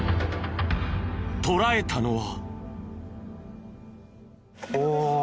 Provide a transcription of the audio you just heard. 捉えたのは。